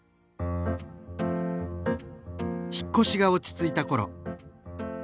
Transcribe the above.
引っ越しが落ち着いた頃。